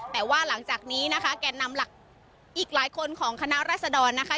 แต่ว่าหลังจากนี้นะคะแก่นำหลักอีกหลายคนของคณะรัศดรนะคะ